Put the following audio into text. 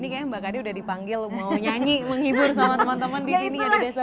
ini kayaknya mbak kadhi udah dipanggil mau nyanyi menghibur sama teman teman di sini